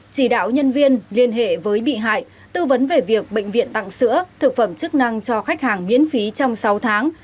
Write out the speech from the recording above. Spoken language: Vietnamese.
chỉ đạo nhân viên liên hệ với bị hại tư vấn về việc bệnh viện tặng sữa thực phẩm chức năng cho khách hàng miễn phí trong sáu tháng